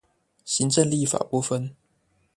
行政立法不分